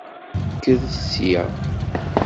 Kkret sya!